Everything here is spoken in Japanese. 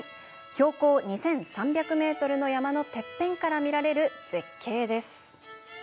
標高２３００ｍの山のてっぺんから見られる絶景です。